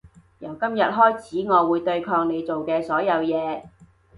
由今日開始我會對抗你做嘅所有嘢